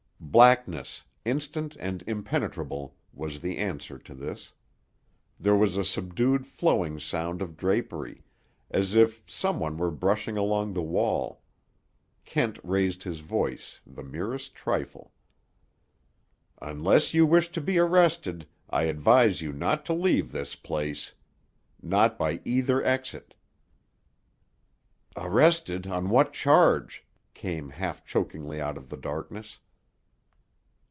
Blackness, instant and impenetrable, was the answer to this. There was a subdued flowing sound of drapery, as if some one were brushing along the wall. Kent raised his voice the merest trifle. "Unless you wish to be arrested, I advise you not to leave this place. Not by either exit." "Arrested on what charge?" came half chokingly out of the darkness.